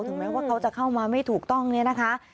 แม้ว่าเขาจะเข้ามาไม่ถูกต้องเนี่ยนะคะ